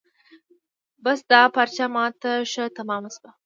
بس دا پارچه ما ته ښه تمامه شوه.